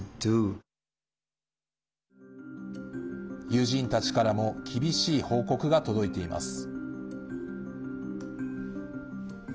友人たちからも厳しい報告が届いています。